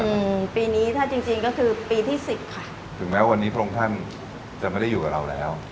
อืมปีนี้ถ้าจริงจริงก็คือปีที่สิบค่ะถึงแม้วันนี้พระองค์ท่านจะไม่ได้อยู่กับเราแล้ว